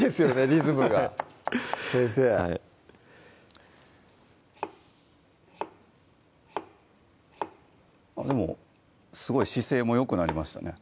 リズムが先生でもすごい姿勢もよくなりましたね